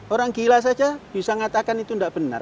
orang gila saja bisa ngatakan itu enggak benar